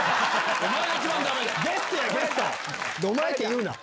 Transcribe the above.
お前って言うな。